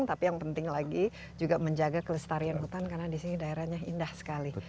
tapi yang penting lagi juga menjaga kelestarian hutan karena disini daerahnya indah sekali